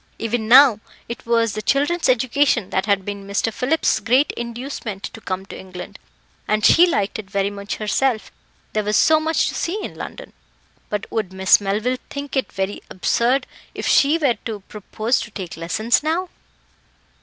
Even now, it was the children's education that had been Mr. Phillips's great inducement to come to England, and she liked it very much herself, there was so much to see in London. But would Miss Melville think it very absurd if she were to propose to take lessons now?